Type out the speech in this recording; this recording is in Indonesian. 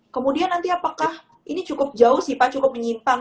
kemudian nanti apakah ini cukup jauh sih pak cukup menyimpang